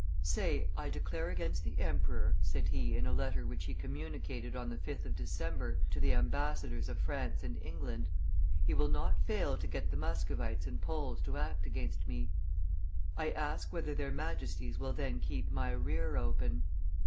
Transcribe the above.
"Say, I declare against the emperor," said he in a letter which he communicated on the 5th of December to the ambassadors of France and England: "he will not fail to get the Muscovites and Poles to act against me. I ask whether their majesties will then keep my rear open?